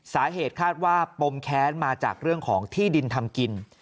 สาเหตุคาดว่าปมแค้นมาจากเรื่องของที่ดินทำกิน